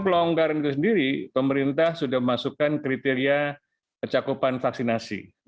pelonggaran ke sendiri pemerintah sudah memasukkan kriteria kecakupan vaksinasi